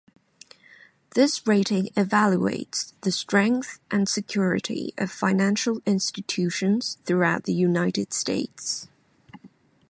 This rating evaluates the strength and security of financial institutions throughout the United States.